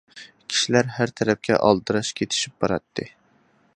كىشىلەر ھەر تەرەپكە ئالدىراش كېتىشىپ باراتتى.